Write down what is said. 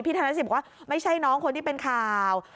ธนสิทธิ์บอกว่าไม่ใช่น้องคนที่เป็นข่าว